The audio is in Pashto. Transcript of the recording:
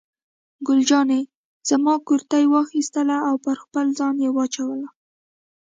ګل جانې زما کورتۍ واخیستله او پر خپل ځان یې واچوله.